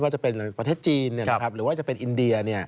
จะเป็นประเทศจีนหรือว่าจะเป็นอินเดีย